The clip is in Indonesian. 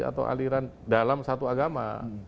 atau aliran dalam satu agama